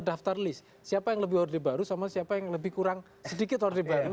daftar list siapa yang lebih orde baru sama siapa yang lebih kurang sedikit order baru